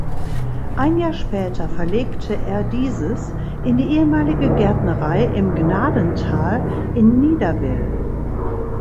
Ein Jahr später verlegte er dieses in die ehemalige Gärtnerei im Gnadenthal in Niederwil.